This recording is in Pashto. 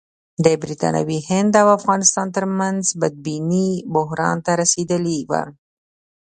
د برټانوي هند او افغانستان ترمنځ بدبیني بحران ته رسېدلې وه.